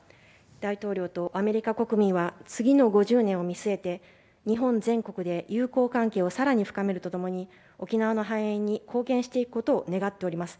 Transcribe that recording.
大統領とアメリカ国民は次の５０年を見据えて日本全国で友好関係を更に深めるとともに沖縄の繁栄に貢献していくことを願っております。